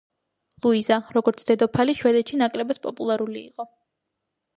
ლუიზა, როგორც დედოფალი, შვედეთში ნაკლებად პოპულარული იყო.